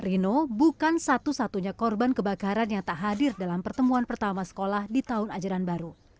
rino bukan satu satunya korban kebakaran yang tak hadir dalam pertemuan pertama sekolah di tahun ajaran baru